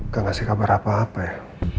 gak ngasih kabar apa apa ya